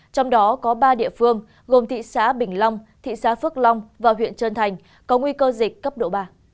trong đó có ba địa phương gồm thị xã bình long thị xã phước long và huyện trơn thành có nguy cơ dịch cấp độ ba